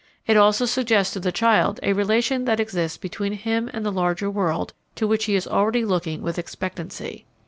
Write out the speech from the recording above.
It also suggests to the child a relation that exists between him and the larger world to which he is already looking with expectancy.